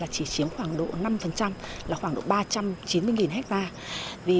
chỉ chiếm khoảng độ năm là khoảng độ ba trăm chín mươi hectare